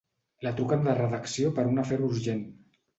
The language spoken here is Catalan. La truquen de redacció per un afer urgent.